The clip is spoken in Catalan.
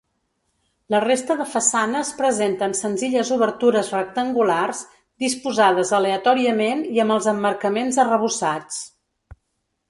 La resta de façanes presenten senzilles obertures rectangulars disposades aleatòriament i amb els emmarcaments arrebossats.